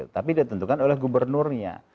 tapi ditentukan oleh gubernurnya